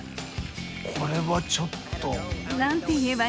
これはちょっと。